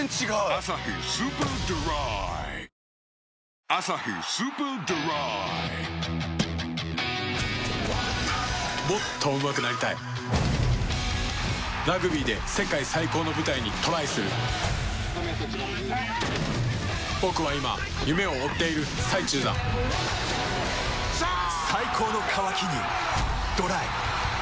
「アサヒスーパードライ」「アサヒスーパードライ」もっとうまくなりたいラグビーで世界最高の舞台にトライする僕は今夢を追っている最中だ最高の渇きにＤＲＹ